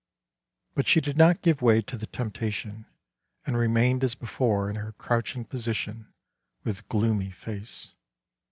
But she did not give way to the temptation and remained as before in her crouching position, with gloomy face.